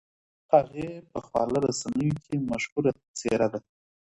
هغې په خواله رسنیو کې مشهوره څېره ده.